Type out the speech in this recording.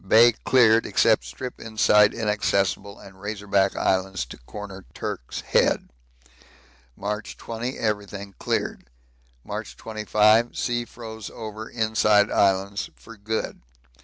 Bay cleared except strip inside Inaccessible and Razor Back Islands to Corner Turk's Head. March 20. Everything cleared. March 25. Sea froze over inside Islands for good.